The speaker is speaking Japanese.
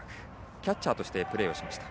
キャッチャーとしてプレーしました。